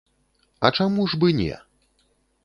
А чаму ж бы не?